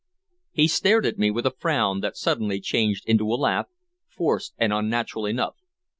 He stared at me with a frown that suddenly changed into a laugh, forced and unnatural enough.